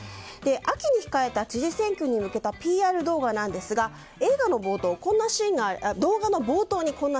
秋に控えた知事選挙に向けたＰＲ動画なんですが動画の冒頭にこんなシーンがあります。